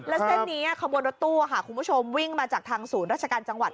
แล้วเส้นนี้ขบวนรถตู้คุณผู้ชมวิ่งมาจากทางศูนย์ราชการจังหวัด